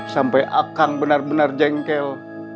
sampai akan benar benar jengkel